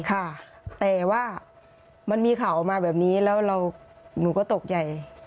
ค่ะแต่ว่ามันมีข่าวออกมาแบบนี้แล้วหนูก็ตกใจ